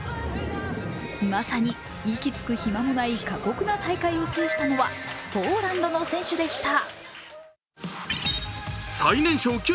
まさに息つく暇もない過酷な大会を制したのはポーランドの選手でした。